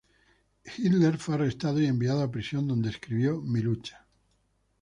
Hitler fue arrestado y enviado a prisión, donde escribió "Mi Lucha".